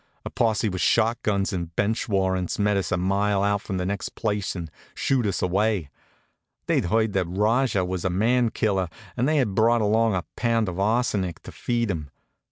A posse with shot guns and bench warrants met us a mile out from the next place and shooed us away. They'd heard that Rajah was a man killer and they had brought along a pound of arsenic to feed him.